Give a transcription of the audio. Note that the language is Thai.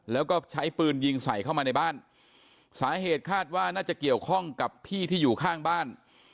แล้วก็ใช้ปืนยิงใส่เข้ามาในบ้านสาเหตุคาดว่าน่าจะเกี่ยวข้องกับพี่ที่อยู่ข้างบ้าน